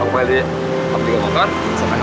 aku beli kopi ngekokan